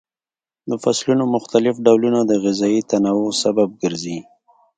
د فصلونو مختلف ډولونه د غذایي تنوع سبب ګرځي.